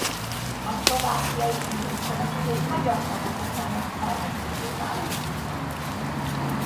A Szlovákiai írószövetség magyar tagozatának elnökévé választották.